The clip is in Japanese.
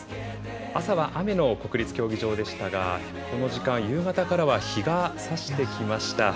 朝は雨の国立競技場でしたがこの時間、夕方からは日がさしてきました。